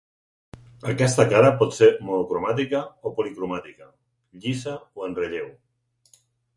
Aquesta cara pot ser monocromàtica o policromàtica, llisa o en relleu.